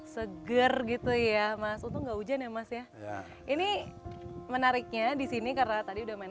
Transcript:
seger gitu ya mas untung enggak hujan ya mas ya ini menariknya disini karena tadi udah main